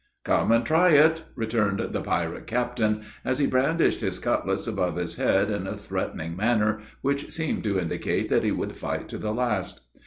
"Come and try it!" returned the pirate captain, as he brandished his cutlass above his head in a threatening manner, which seemed to indicate that he would fight to the last.